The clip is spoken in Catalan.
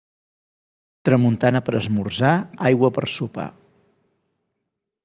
Tramuntana per esmorzar, aigua per sopar.